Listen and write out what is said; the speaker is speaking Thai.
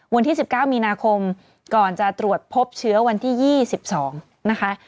วันที่๑๙มีนาคมก่อนจะตรวจพบเชื้อวันที่๒๒นะคะ